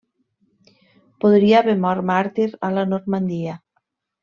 Podria haver mort màrtir a la Normandia.